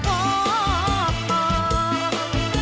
เพราะ